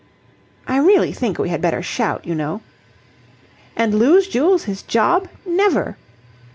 "I really think we had better shout, you know." "And lose Jules his job? Never!"